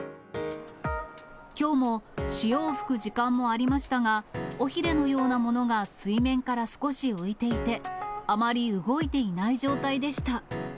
きょうも、潮を吹く時間もありましたが、尾ひれのようなものが水面から少し浮いていて、あまり動いていない状態でした。